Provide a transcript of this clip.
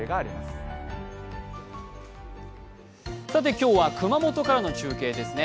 今日は熊本からの中継ですね。